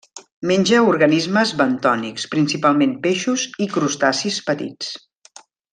Menja organismes bentònics, principalment peixos i crustacis petits.